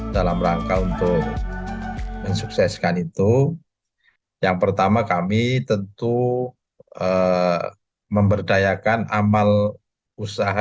dalam rangka untuk mensukseskan itu yang pertama kami tentu memberdayakan amal usaha